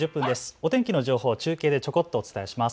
お天気の情報を中継でちょこっとお伝えします。